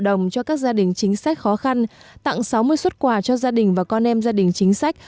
đồng cho các gia đình chính sách khó khăn tặng sáu mươi xuất quà cho gia đình và con em gia đình chính sách